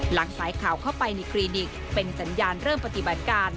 สายข่าวเข้าไปในคลินิกเป็นสัญญาณเริ่มปฏิบัติการ